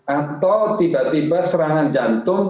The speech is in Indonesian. atau tiba tiba serangan jantung